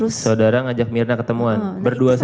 saudara ngajak myrna ketemuan berdua saja